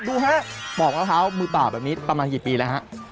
ดูฮะปอกมะพร้าวมือเปล่าแบบนี้ประมาณกี่ปีแล้วฮะ